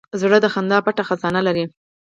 زړه د خندا پټ خزانې لري.